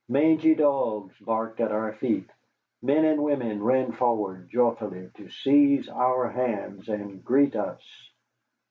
Mangy dogs barked at our feet, men and women ran forward joyfully to seize our hands and greet us.